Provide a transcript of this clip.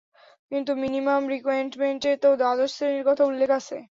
কিন্তু মিনিমাম রিকুয়েরমেন্টে তো দ্বাদশ শ্রেণীর কথা উল্লেখ আছে।